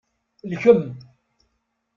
Lkem.